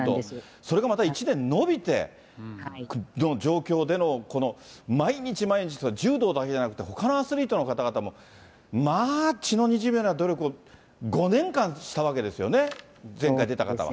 それがまた１年延びての状況でのこの毎日毎日、柔道だけじゃなくて、ほかのアスリートの方もまあ、血のにじむような努力を５年間、したわけですよね、前回出た方は。